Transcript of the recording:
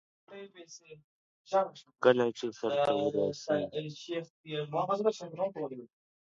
درناوی یې پر ټولو لازم دی.